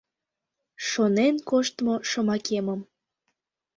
Шонен коштмо шомакемым